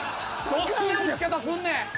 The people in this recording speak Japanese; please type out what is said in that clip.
どんな打ち方すんねん。